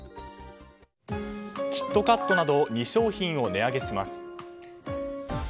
「キットカット」など２商品を値上げします。